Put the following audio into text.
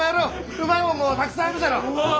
うまいもんもたくさんあるじゃろう！